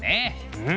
うん。